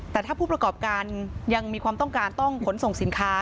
แต่ถ้าผู้ประกอบการยังมีความต้องการต้องขนส่งสินค้า